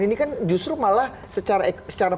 ini kan justru malah secara